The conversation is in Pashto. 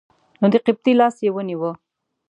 نو د قبطي لاس یې ونیوه.